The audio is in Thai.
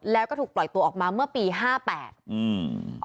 แล้วก็ถูกปล่อยตัวออกมาเมื่อปีห้าแปดอืม